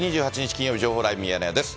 金曜日、情報ライブミヤネ屋です。